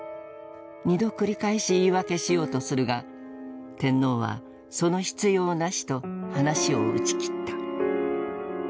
二度繰り返し言い訳しようとするが天皇は「其必要なし」と話を打ち切った。